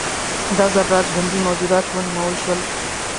دا ذرات ژوندي موجودات ونومول شول.